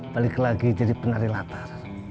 balik lagi jadi penari lapas